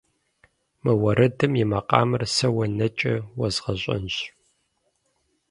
Мы уэрэдым и макъамэр сэ уэ нэкӏэ уэзгъэщӏэнщ.